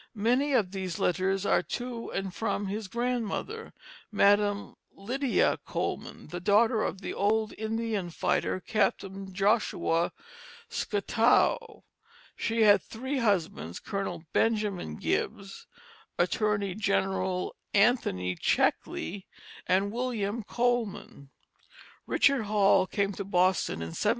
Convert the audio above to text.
Many of these letters are to and from his grandmother, Madam Lydia Coleman, the daughter of the old Indian fighter, Captain Joshua Scottow. She had three husbands, Colonel Benjamin Gibbs, Attorney General Anthony Checkley, and William Coleman. Richard Hall came to Boston in 1718.